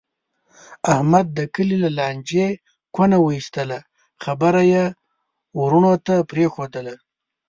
احمد د کلي له لانجې کونه و ایستله. خبره یې ورڼو ته پرېښودله.